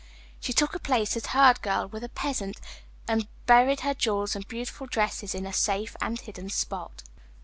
She took a place as herd girl with a peasant, and buried her jewels and beautiful dresses in a safe and hidden spot.